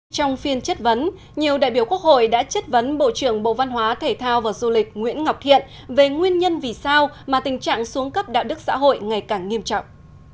trong phiên chất vấn nhiều đại biểu quốc hội đã chất vấn bộ trưởng bộ văn hóa thể thao và du lịch nguyễn ngọc thiện về nguyên nhân vì sao mà tình trạng xuống cấp đạo đức xã hội ngày càng nghiêm trọng